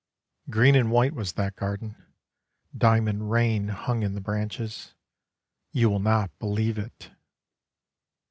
Green and white was that garden: diamond rain hung in the branches, You will not believe it!